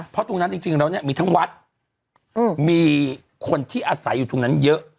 เพราะตรงนั้นจริงแล้วเนี่ยมีทั้งวัดมีคนที่อาศัยอยู่ตรงนั้นเยอะ